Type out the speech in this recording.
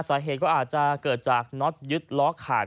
สาเหตุก็อาจจะเกิดจากน็อตยึดล้อขาด